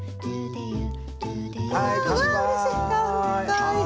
わあうれしい！